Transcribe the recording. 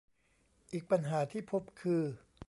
อีกปัญหาที่พบคือ